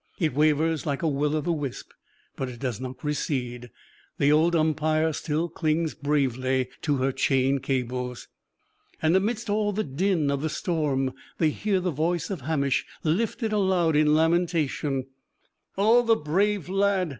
It wavers like a will o' the wisp, but it does not recede; the old Umpire still clings bravely to her chain cables. And amidst all the din of the storm they hear the voice of Hamish lifted aloud in lamentation: "Oh, the brave lad!